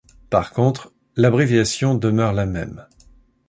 Par contre, l’abréviation demeure la même.